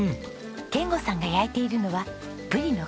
賢吾さんが焼いているのはブリのカマ。